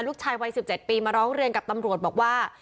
ลูกชายวัย๑๗ปีมาร้องเรียนกับตำรวจบอกว่า